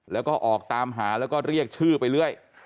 แล้วก็ออกตามหาแล้วก็เรียกชื่อไปเรื่อย